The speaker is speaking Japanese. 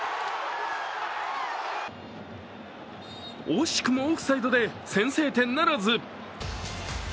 惜しくもオフサイドで先制点ならず。